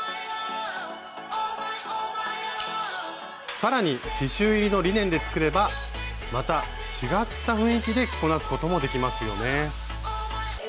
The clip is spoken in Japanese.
さらに刺しゅう入りのリネンで作ればまた違った雰囲気で着こなすこともできますよね。